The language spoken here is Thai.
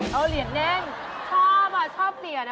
เหลี่ยนแน่นชอบอ่ะชอบเปลี่ยนนะ